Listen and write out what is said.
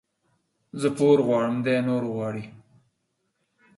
زه پور غواړم ، دى نور غواړي.